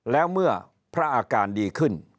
แล้วเมื่อพระอาการดีขึ้น